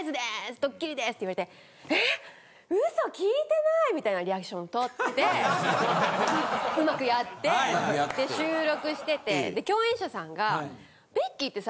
ドッキリです！」って言われて「ええ！嘘聞いてない！」みたいなリアクションをとってうまくやって収録してて共演者さんが。